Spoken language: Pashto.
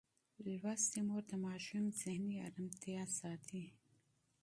لوستې مور د ماشوم ذهني ارامتیا ساتي.